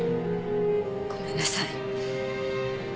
ごめんなさい。